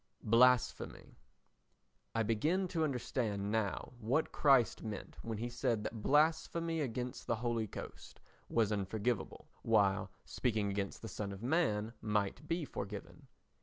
Blasphemy I begin to understand now what Christ meant when he said that blasphemy against the Holy Ghost was unforgiveable, while speaking against the Son of Man might be forgiven.